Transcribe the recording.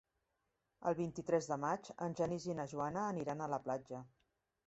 El vint-i-tres de maig en Genís i na Joana aniran a la platja.